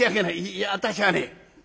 いや私はね